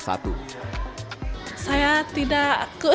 dan mereka juga berpikir positif